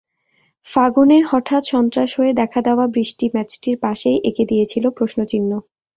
ফাগুনে হঠাৎ সন্ত্রাস হয়ে দেখা দেওয়া বৃষ্টি ম্যাচটির পাশেই এঁকে দিয়েছিল প্রশ্নচিহ্ন।